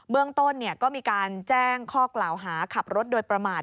เรื่องต้นก็มีการแจ้งข้อกล่าวหาขับรถโดยประมาท